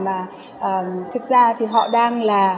mà thực ra thì họ đang là